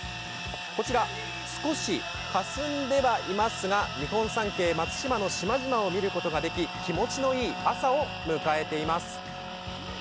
こちら少し、かすんではいますが、日本三景・松島の島々を見ることができ気持ちのいい朝を迎えています。